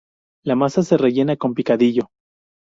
La masa se rellena con picadillo.